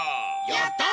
やった！